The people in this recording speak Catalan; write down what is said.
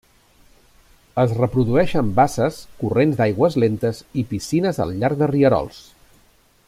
Es reprodueix en basses, corrents d'aigües lentes i piscines al llarg de rierols.